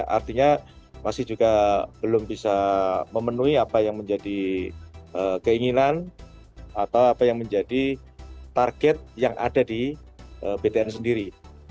artinya masih juga belum bisa memenuhi apa yang menjadi keinginan atau apa yang menjadi target yang ada di btn sendiri